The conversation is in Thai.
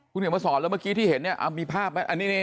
คุณเหนียวมาสอนและเมื่อกี้ที่เห็นนี่มีภาพนี่